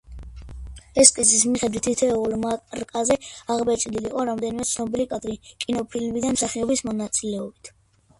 ესკიზის მიხედვით, თითოეულ მარკაზე აღბეჭდილი იყო რომელიმე ცნობილი კადრი კინოფილმიდან მსახიობის მონაწილეობით.